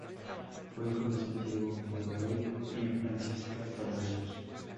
Fue hijo de Santiago Godoy y Francisca Palacios.